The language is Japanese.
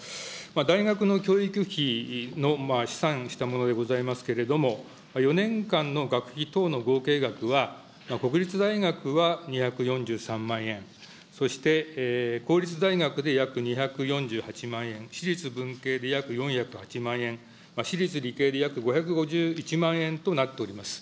大学の教育費の試算したものでございますけれども、４年間の学費等の合計額は、国立大学は２４３万円、そして公立大学で約２４８万円、私立文系で約４０８万円、私立理系で約５５１万円となっております。